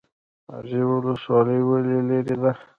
ازرې ولسوالۍ ولې لیرې ده؟